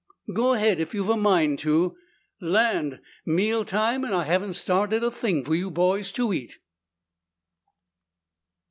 "Go ahead if you've a mind to. Land! Meal time and I haven't started a thing for you boys to eat!"